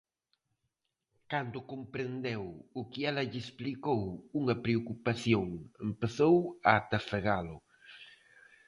Cando comprendeu o que ela lle explicou, unha preocupación empezou a atafegalo.